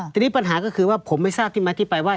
ทีนี้ปัญหาก็คือว่าผมไม่ทราบที่มาที่ไปว่า